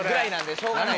しょうがない